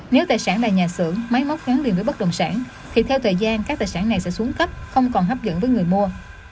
nếu tài sản là nhà xưởng máy móc gắn liền với bất đồng sản thì theo thời gian các tài sản này sẽ xuống cấp không còn hấp dẫn với người mua